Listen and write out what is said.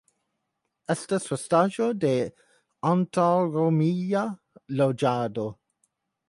Estas restaĵoj de antaŭromia loĝado.